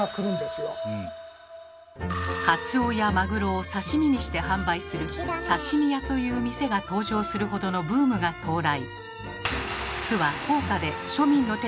カツオやマグロを刺身にして販売する「刺身屋」という店が登場するほどのブームが到来。